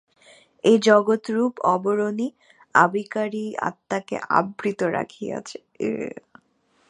এই জগৎ-রূপ আবরণই অবিকারী আত্মাকে আবৃত রাখিয়াছে।